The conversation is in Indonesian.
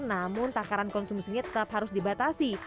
namun takaran konsumsinya tetap harus dibatasi